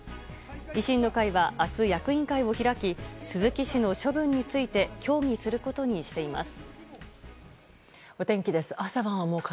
維新の会は明日、役員会を開き鈴木氏の処分について協議することにしています。